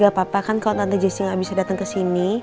gak apa apa kan kalau tante jessy gak bisa datang kesini